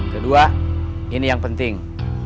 kedua ini yang penting